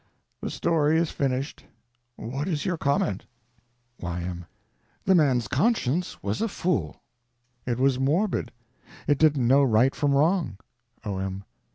The story is finished. What is your comment? Y.M. The man's conscience is a fool! It was morbid. It didn't know right from wrong. O.M.